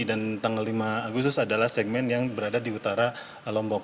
dan tanggal lima agustus adalah segmen yang berada di utara lombok